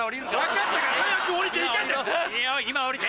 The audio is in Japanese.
分かったから早く降りて行けって！